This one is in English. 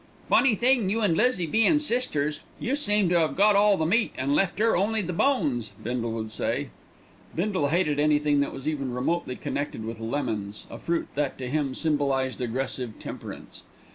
"Funny thing, you and Lizzie bein' sisters; you seem to have got all the meat an' left 'er only the bones!" Bindle would say. Bindle hated anything that was even remotely connected with lemons, a fruit that to him symbolised aggressive temperance.